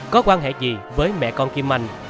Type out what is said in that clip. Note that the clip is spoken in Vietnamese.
có quan hệ gì với mẹ con kim anh